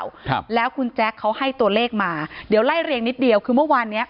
ครับแล้วคุณแจ๊คเขาให้ตัวเลขมาเดี๋ยวไล่เรียงนิดเดียวคือเมื่อวานเนี้ย